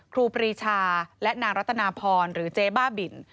ครูปรีชาและนางรัตนาพรหรือเจ๊บ้าบิน